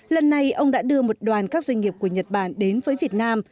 lần này ông đã đưa một đoàn các doanh nghiệp của nhật bản đến với việt nam